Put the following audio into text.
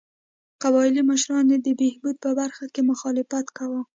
قبایلي مشرانو د بهبود په برخه کې مخالفت کاوه.